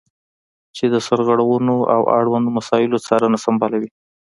چې د سرغړونو او اړوندو مسایلو څارنه سمبالوي.